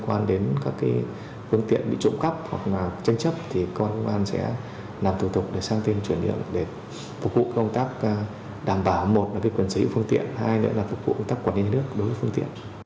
quan đến các phương tiện bị trộm cắp hoặc là tranh chấp thì công an sẽ làm thủ tục để sang tên chuyển điện để phục vụ công tác đảm bảo một là quyền sở hữu phương tiện hai nữa là phục vụ công tác quản lý nhà nước đối với phương tiện